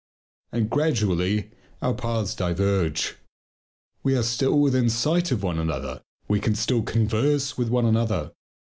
And gradually our paths diverge. We are still within sight of one another. We can still converse with one another.